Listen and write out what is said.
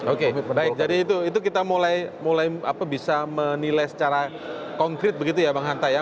oke baik jadi itu kita mulai bisa menilai secara konkret begitu ya bang hanta ya